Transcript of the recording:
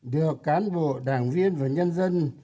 được cán bộ đảng viên và nhân dân